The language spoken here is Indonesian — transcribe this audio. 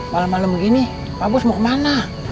malam malam begini pak bos mau kemana